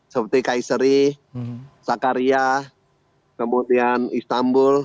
seperti kayseri sakarya kemudian istanbul